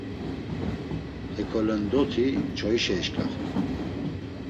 Hekolendoti çoişa eşǩaxt̆u.